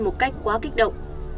một cách quá kích động